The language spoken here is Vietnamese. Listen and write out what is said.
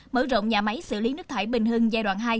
mở rộng nhà máy xử lý nước thải bình hưng giai đoạn hai